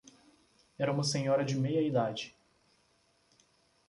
Era uma senhora de meia idade.